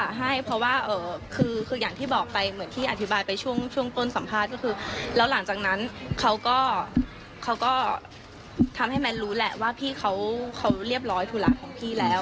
ใช่เพราะว่าคืออย่างที่บอกไปเหมือนที่อธิบายไปช่วงต้นสัมภาษณ์ก็คือแล้วหลังจากนั้นเขาก็ทำให้แมนรู้แหละว่าพี่เขาเรียบร้อยธุระของพี่แล้ว